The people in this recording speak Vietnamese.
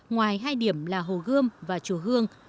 ngoài hai điểm là hồ gươm và chùa hương